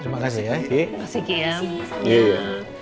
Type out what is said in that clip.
terima kasih pak nino